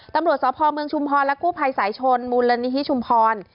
ตำรวจสพเมืองชุมพรและกู้ภัยสายชนมูลนิธิชุมพร